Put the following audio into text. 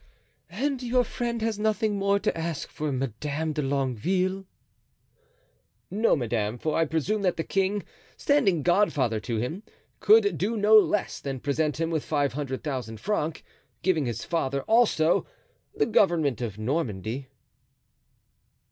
"And your friend has nothing more to ask for Madame de Longueville?" "No, madame, for I presume that the king, standing godfather to him, could do no less than present him with five hundred thousand francs, giving his father, also, the government of Normandy."